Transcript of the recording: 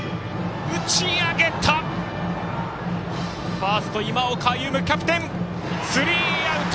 ファースト、今岡歩夢つかんでスリーアウト。